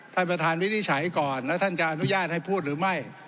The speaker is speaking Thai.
ท่านประธานวินิจฉัยก่อนแล้วท่านจะอนุญาตให้พูดหรือไม่